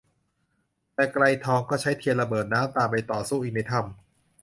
แต่ไกรทองก็ใช้เทียนระเบิดน้ำตามไปต่อสู้อีกในถ้ำ